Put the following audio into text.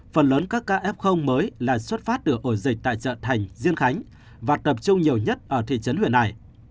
phần lớn các ca f mới lại xuất phát từ ổ dịch tại chợ thành diên khánh và tập trung nhiều nhất ở thị trấn huyện này